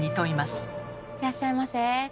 いらっしゃいませ。